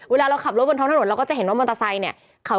เวลาเราขับรถบนท้องถนนเราก็จะเห็นว่ามอเตอร์ไซค์เนี่ย